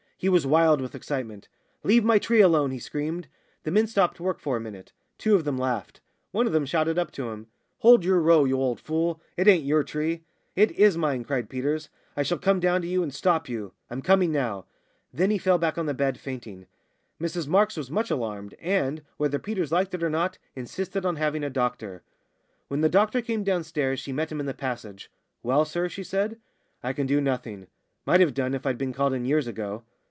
He was wild with excitement. "Leave my tree alone!" he screamed. The men stopped work for a minute. Two of them laughed. One of them shouted up to him: "Hold your row, you old fool! It ain't your tree." "It is mine," cried Peters. "I shall come down to you and stop you. I'm coming now." Then he fell back on the bed fainting. Mrs Marks was much alarmed, and whether Peters liked it or not insisted on having a doctor. When the doctor came downstairs she met him in the passage. "Well, sir?" she said. "I can do nothing might have done if I'd been called in years ago.